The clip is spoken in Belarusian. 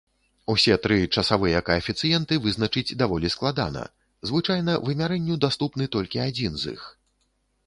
Усе тры часавыя каэфіцыенты вызначыць даволі складана, звычайна вымярэнню даступны толькі адзін з іх.